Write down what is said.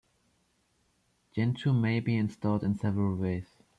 Gentoo may be installed in several ways.